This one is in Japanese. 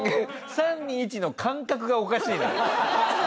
３２１の間隔がおかしいの。